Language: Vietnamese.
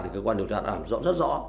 cơ quan điều tra đã làm rõ rất rõ